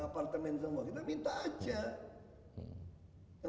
apartemen semua kita minta aja